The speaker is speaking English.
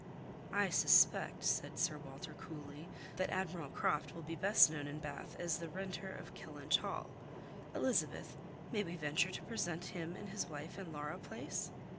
"I suspect," said Sir Walter coolly, "that Admiral Croft will be best known in Bath as the renter of Kellynch Hall. Elizabeth, may we venture to present him and his wife in Laura Place?"